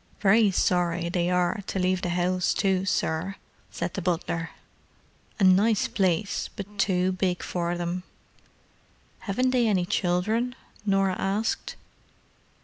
"Very sorry they are to leave the 'ouse, too, sir," said the butler. "A nice place, but too big for them." "Haven't they any children?" Norah asked.